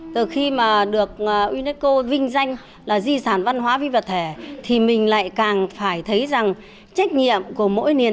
từ khi mà được unesco vinh danh là di sản văn hóa vi vật thể thì mình lại càng phải thấy rằng trách nhiệm của mỗi nền